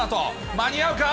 間に合うか？